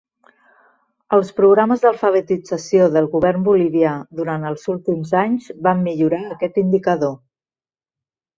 Els programes d'alfabetització del govern bolivià durant els últims anys van millorar aquest indicador.